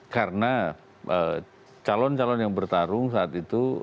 karena calon calon yang bertarung saat itu